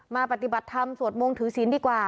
ปฏิบัติธรรมสวดมงถือศีลดีกว่า